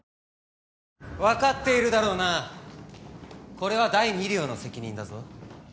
これは第二寮の責任だぞ。